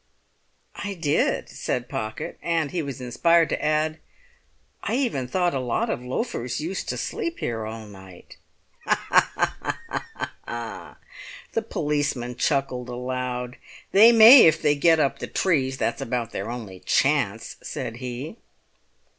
"I did," said Pocket; and he was inspired to add, "I even thought a lot of loafers used to sleep here all night!" The policeman chuckled aloud. "They may if they get up the trees; that's about their only chance," said he.